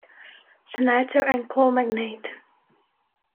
Senator and coal magnate.